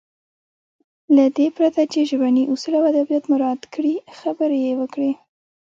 له دې پرته چې ژبني اصول او ادبيات مراعت کړي خبرې يې وکړې.